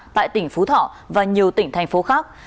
tại tỉnh phú thọ và nhiều tỉnh thành phố khác